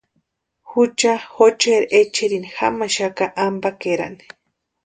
Jucha jocheri echerini jamaxaka ampakerani.